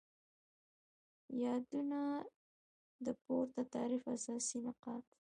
یادونه : د پورته تعریف اساسی نقاط